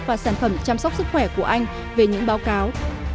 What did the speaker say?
và sản phẩm chăm sóc sức khỏe của anh về những báo cáo